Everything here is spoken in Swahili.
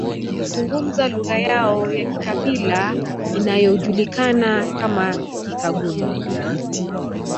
Wanazungumza lugha yao ya kikabila inayojulikana kama Kikagulu